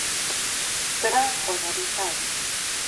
ブランコ乗りたい